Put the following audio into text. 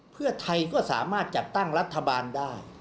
เพื่อไทยก็สามารถจัดตั้งรัฐบาลได้